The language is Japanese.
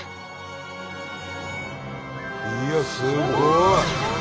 いやすごい！